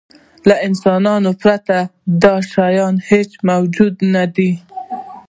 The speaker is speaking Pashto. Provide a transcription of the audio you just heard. له انسانانو پرته دا شیان هېڅ موجود نهدي.